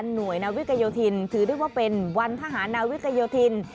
หน่วยนาวิกโยธินถือได้ว่าเป็นวันทหารนาวิกยโยธิน